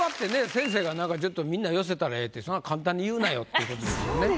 先生が何かみんな寄せたらええってそんな簡単に言うなよっていうことですよね。